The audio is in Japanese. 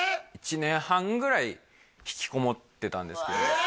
１年半ぐらい引きこもってたんですけどうわ